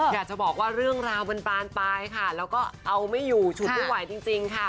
อยากจะบอกว่าเรื่องราวมันบานปลายค่ะแล้วก็เอาไม่อยู่ฉุดไม่ไหวจริงค่ะ